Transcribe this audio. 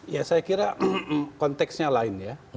ya saya kira konteksnya lain ya